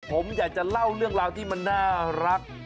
ผมอยากจะเล่าเรื่องราวที่มันน่ารัก